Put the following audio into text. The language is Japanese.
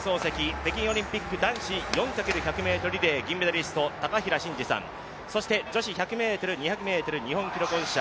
北京オリンピック男子４×１００ｍリレー銀メダリスト高平慎士さん、女子１００ｍ、２００ｍ、日本記録保持者